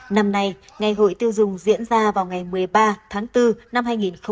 năm nay ngày hội tiêu dùng diễn ra vào ngày một mươi ba tháng bốn năm hai nghìn hai mươi